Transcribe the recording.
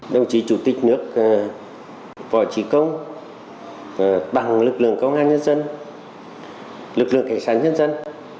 đồng chí chủ tịch nước võ trí công bằng lực lượng công an nhân dân lực lượng cảnh sát nhân dân